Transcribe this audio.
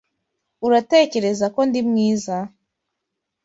Uratekereza ko ndi mwiza? (Bah_Dure)